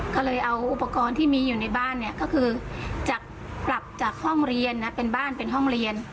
ก็เลยเอาอุปกรณ์ที่มีอยู่ในบ้านเนี่ยก็คือจากกลับจากห้องเรียนนะเป็นบ้านเป็นห้องเรียน